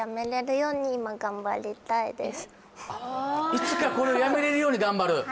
いつかこれを辞めれるように頑張る？